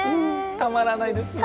たまらないですね。